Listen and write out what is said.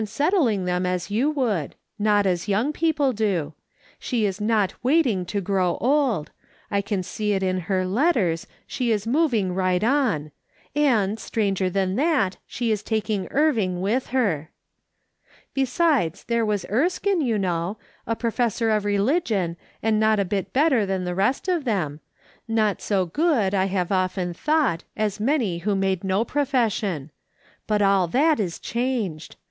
291 settling them as you would ; not as young people do ; she is not waiting to grow old ; I can see it in her letters, she is moving right on ; and stranger than that, she is taking Irving with her. " Besides, there was Erskine, you know, a professor of religion, and not a bit better than the rest of them, not so good, I have often thought, as many who made no profession ; but all that is changed.